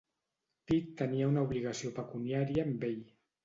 Pitt tenia una obligació pecuniària amb ell.